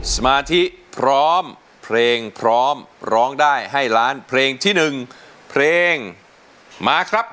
สมาธิพร้อมเพลงพร้อมร้องได้ให้ล้านเพลงที่๑เพลงมาครับ